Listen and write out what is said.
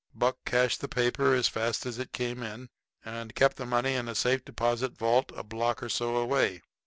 Buck cashed the paper as fast as it came in and kept the money in a safe deposit vault a block or so away.